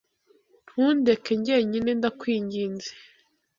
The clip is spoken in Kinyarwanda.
Ntundeke jyenyine, ndakwinginze.